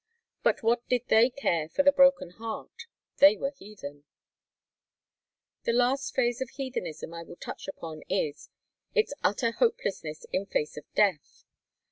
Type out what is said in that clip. But what did they care for the broken heart? They were heathen! The last phase of heathenism I will touch upon is—Its utter hopelessness in face of Death.